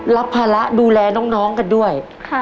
รับภาระดูแลน้องกันด้วย